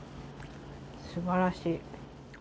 すばらしい。